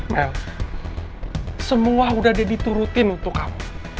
mel semua udah daddy turutin untuk kamu